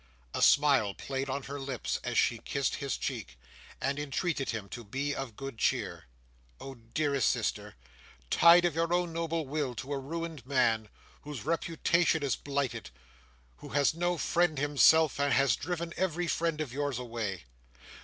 A smile played on her lips, as she kissed his cheek, and entreated him to be of good cheer. "Oh, dearest sister! Tied, of your own noble will, to a ruined man! whose reputation is blighted; who has no friend himself, and has driven every friend of yours away!"